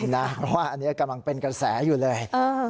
เพราะว่าอันนี้กำลังเป็นกระแสอยู่เลย